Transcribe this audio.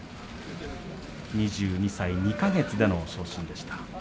２２歳２か月での昇進でした。